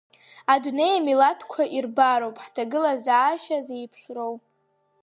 Адунеи амилаҭқәа ирбароуп ҳҭагылазаашьа зеиԥшроу.